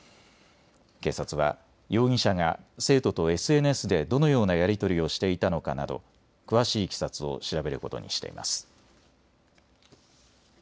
警察は容疑者が生徒とＳＮＳでどのようなやり取りをしていたのかなど詳しい経緯を調べることにしています。